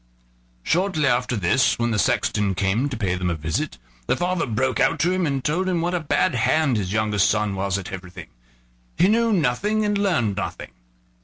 Shortly after this, when the sexton came to pay them a visit, the father broke out to him, and told him what a bad hand his youngest son was at everything: he knew nothing and learned nothing.